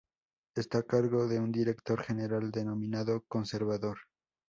Está a cargo de un Director General denominado Conservador.